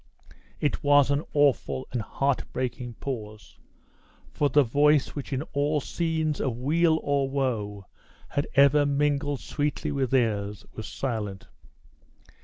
It was an awful and heart breaking pause, for the voice which in all scenes of weal or woe had ever mingled sweetly with theirs, was silent.